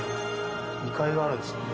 ２階があるんですね。